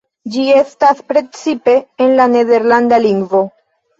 Ĝi estas precipe en la nederlanda lingvo.